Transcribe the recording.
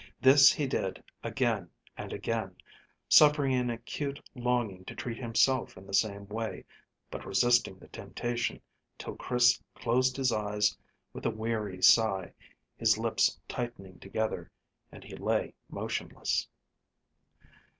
This he did again and again, suffering an acute longing to treat himself in the same way, but resisting the temptation, till Chris closed his eyes with a weary sigh, his lips tightening together, and he lay motionless.